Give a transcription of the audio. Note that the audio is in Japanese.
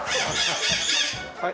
はい。